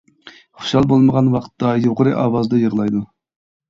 خۇشال بولمىغان ۋاقىتتا يۇقىرى ئاۋازدا يىغلايدۇ.